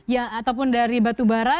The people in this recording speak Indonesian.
ya ataupun dari batu bara